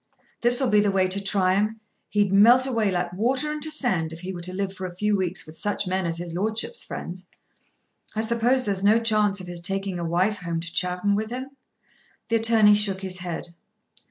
"This'll be the way to try him. He'd melt away like water into sand if he were to live for a few weeks with such men as his Lordship's friends. I suppose there's no chance of his taking a wife home to Chowton with him?" The attorney shook his head.